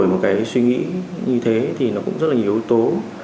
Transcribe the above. một cái suy nghĩ như thế thì nó cũng rất là nhiều yếu tố